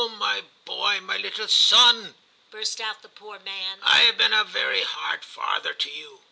my boy, my little son,' burst out the poor man, * I have been a very hard father to you.